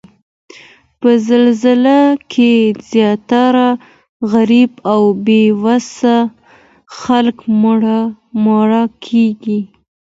په زلزله کې زیاتره غریب او بې وسه خلک مړه کیږي